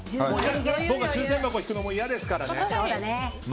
僕、抽選箱引くの嫌ですからね。